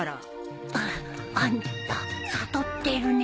あっあんた悟ってるねえ。